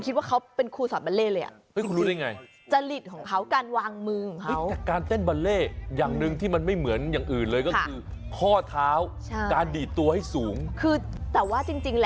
การเป็นครูสอนเบลเลเลยอ่ะ